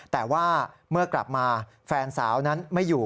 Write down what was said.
แต่ว่าเมื่อกลับมาแฟนสาวนั้นไม่อยู่